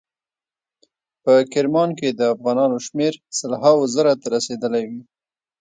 په کرمان کې د افغانانو شمیر سل هاو زرو ته رسیدلی وي.